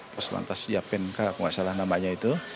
pos lantas siapinka kalau tidak salah namanya itu